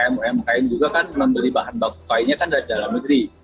jadi masalah teman teman ikm nkm juga kan beli bahan baku kainnya kan dari dalam negeri